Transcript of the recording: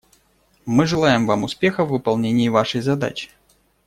Мы желаем вам успеха в выполнении вашей задачи.